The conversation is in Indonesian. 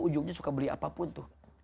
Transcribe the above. ujungnya suka beli apapun tuh